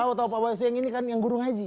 tau tau pak baswe yang ini kan yang guru ngaji